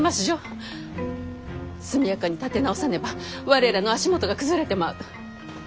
速やかに立て直さねば我らの足元が崩れてまう。